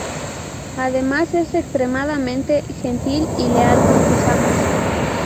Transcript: Además es extremadamente gentil y leal con sus amos.